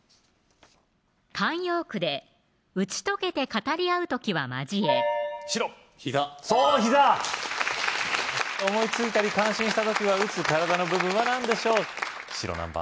慣用句で打ち解けて語り合う時は「交え」白膝そう膝思いついたり感心した時は「打つ」体の部分は何でしょう白何番？